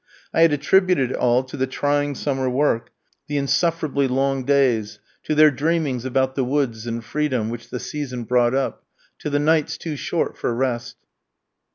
I had attributed it all to the trying summer work, the insufferably long days; to their dreamings about the woods, and freedom, which the season brought up; to the nights too short for rest.